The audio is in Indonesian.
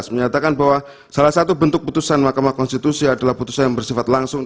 menyatakan bahwa salah satu bentuk putusan mahkamah konstitusi adalah putusan yang bersifat langsung